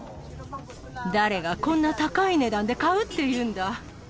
誰がこんな高い値段で買うっていうんだ。